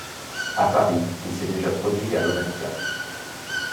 À Paris, il s'est déjà produit à l'Olympia.